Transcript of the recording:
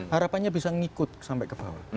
harapannya bisa ngikut sampai ke bawah